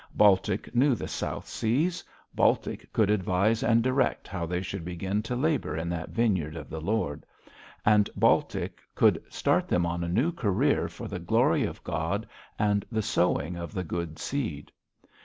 Baltic knew the South Seas; Baltic could advise and direct how they should begin to labour in that vineyard of the Lord; and Baltic could start them on a new career for the glory of God and the sowing of the good seed.